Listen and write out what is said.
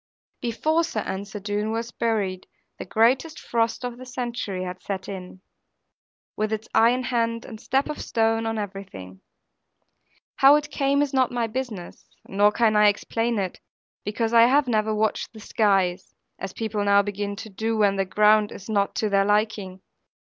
Before Sir Ensor Doone was buried, the greatest frost of the century had set in, with its iron hand, and step of stone, on everything. How it came is not my business, nor can I explain it; because I never have watched the skies; as people now begin to do, when the ground is not to their liking.